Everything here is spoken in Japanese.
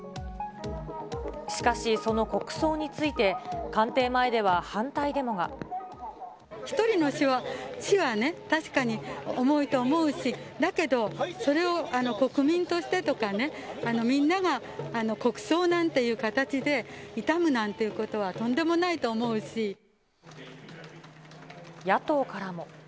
しかし、その国葬について、１人の死はね、確かに重いと思うし、だけど、それを国民としてとかね、みんなが国葬なんていう形で悼むなんていうことはとんでもないと野党からも。